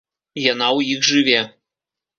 Яна ў іх жыве.